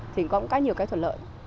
thì cũng có nhiều cái thuận lợi